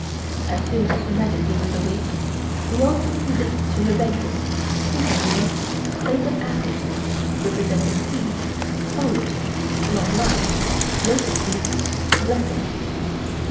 As soon as Her Majesty was awake, we all proceeded to her bedroom, taking with us plates of apples (representing "Peace"), olives ("Long Life"), lotus seeds (Blessing).